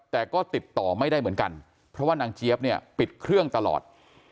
แต่ก็ติดต่อไม่ได้เหมือนกันเพราะว่านางเจี๊ยบเนี่ยปิดเครื่องตลอด